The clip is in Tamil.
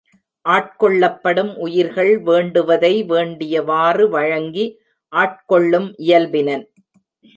ஆட் கொள்ளப்படும் உயிர்கள் வேண்டுவதை வேண்டிய வாறு வழங்கி ஆட்கொள்ளும் இயல்பினன்.